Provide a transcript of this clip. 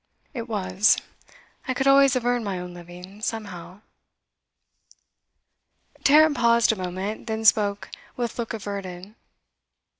'It was; I could always have earned my own living, somehow.' Tarrant paused a moment, then spoke with look averted.